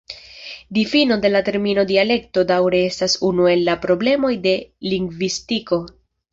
Difino de la termino "dialekto" daŭre estas unu el la problemoj de lingvistiko.